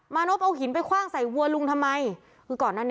ก็เลยตอกแล้วมานพบอกว่า